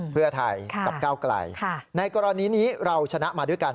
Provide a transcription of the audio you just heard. เพื่อไทยกับก้าวไกลในกรณีนี้เราชนะมาด้วยกัน